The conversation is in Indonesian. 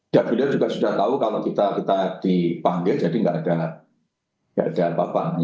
dan beliau juga sudah tahu kalau kita dipanggil jadi tidak ada apa apa